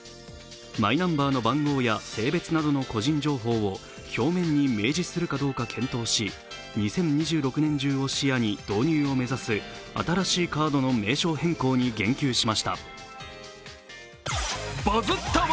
マイナンバーの番号や性別などの個人情報を表面に明示するかどうか検討し、２０２６年中を視野に導入を目指す新しいカードの名称変更に言及しました。